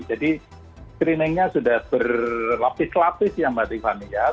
jadi screeningnya sudah berlapis lapis ya mbak rifani ya